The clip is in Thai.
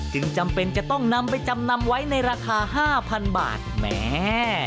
จำเป็นจะต้องนำไปจำนำไว้ในราคา๕๐๐๐บาทแหม